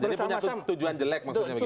jadi punya tujuan jelek maksudnya begitu